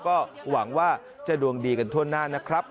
ก็หวังว่าจะดวงดีกันทั่วหน้านะครับ